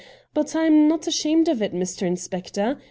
But I'm not ashamed of it, Mr. Inspector.